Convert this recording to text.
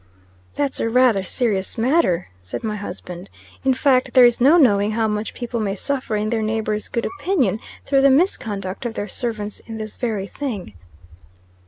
"That's a rather serious matter," said my husband. "In fact, there is no knowing how much people may suffer in their neighbors' good opinion, through the misconduct of their servants in this very thing."